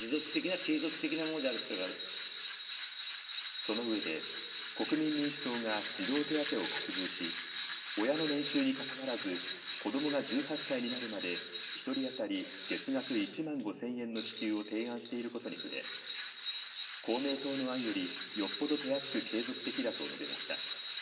そのうえで国民民主党が児童手当を拡充し親の年収にかかわらず子どもが１８歳になるまで１人当たり月額１万５０００円の支給を提案していることに触れ公明党の案よりよっぽど手厚く継続的だと述べました。